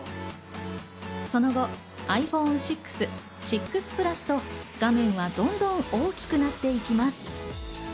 その後ｉＰｈｏｎｅ６、６Ｐｌｕｓと画面はどんどん大きくなっていきます。